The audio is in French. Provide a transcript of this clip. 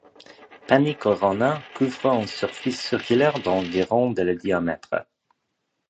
Pani Corona couvre une surface circulaire d'environ de diamètre.